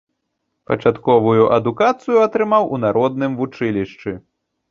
Пачатковую адукацыю атрымаў у народным вучылішчы.